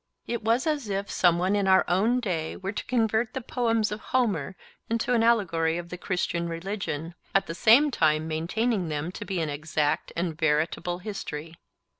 It was as if some one in our own day were to convert the poems of Homer into an allegory of the Christian religion, at the same time maintaining them to be an exact and veritable history.